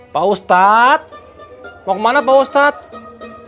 pak ustadz mau kemana pak ustadz